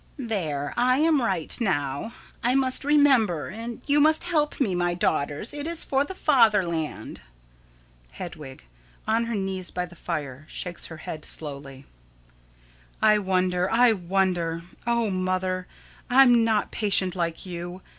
_] There, I am right now. I must remember and you must help me, my daughters it is for the fatherland. Hedwig: [On her knees by the fire, shakes her head slowly.] I wonder, I wonder. O Mother, I'm not patient like you.